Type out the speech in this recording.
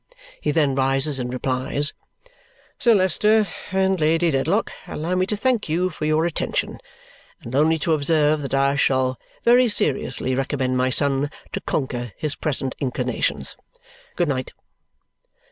He then rises and replies, "Sir Leicester and Lady Dedlock, allow me to thank you for your attention and only to observe that I shall very seriously recommend my son to conquer his present inclinations. Good night!"